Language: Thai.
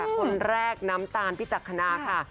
คนแรกน้ำตาลพิจักษณาค่ะ